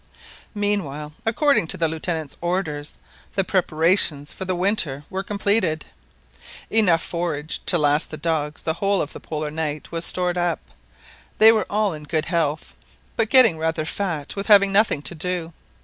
Meanwhile, according to the Lieutenant's orders, the preparations for the winter were completed. Enough forage to last the dogs the whole of the Polar night was stored up. They were all in good health, but getting rather fat with having nothing to do.